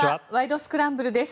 スクランブル」です。